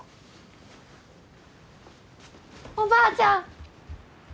おばあちゃん！